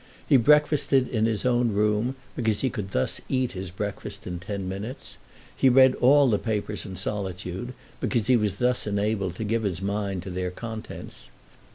He breakfasted in his own room, because he could thus eat his breakfast in ten minutes. He read all the papers in solitude, because he was thus enabled to give his mind to their contents.